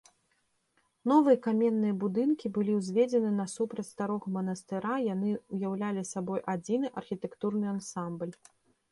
Новыя каменныя будынкі былі ўзведзены насупраць старога манастыра, яны ўяўлялі сабой адзіны архітэктурны ансамбль.